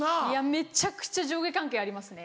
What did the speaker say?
めちゃくちゃ上下関係ありますね。